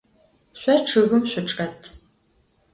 Şso ççıgım şsuçç'et.